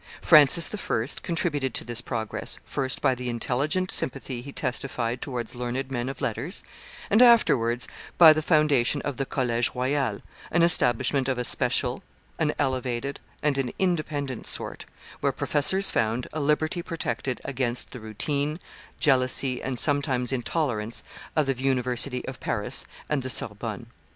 Francis I. contributed to this progress, first by the intelligent sympathy he testified towards learned men of letters, and afterwards by the foundation of the College Royal, an establishment of a special, an elevated, and an independent sort, where professors found a liberty protected against the routine, jealousy, and sometimes intolerance of the University of Paris and the Sorbonne.